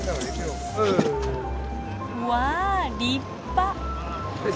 うわ立派！